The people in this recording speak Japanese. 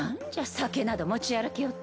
酒など持ち歩きおって。